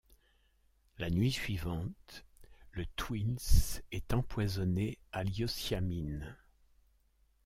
La nuit suivante, le Twills est empoisonné à l'hyoscyamine.